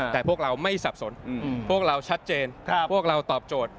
แต่พวกเราไม่สับสนพวกเราชัดเจนพวกเราตอบโจทย์